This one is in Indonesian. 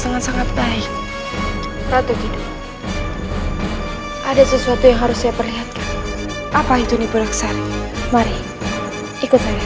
dengan sangat baik ada sesuatu yang harus saya perhatikan apa itu nih beraksari mari ikut saya